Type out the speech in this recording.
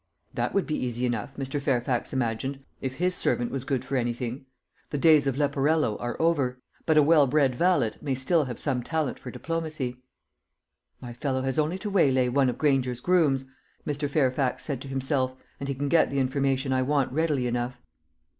That would be easy enough, Mr. Fairfax imagined, if his servant was good for anything. The days of Leporello are over; but a well bred valet may still have some little talent for diplomacy. "My fellow has only to waylay one of Granger's grooms," Mr. Fairfax said to himself, "and he can get the information I want readily enough."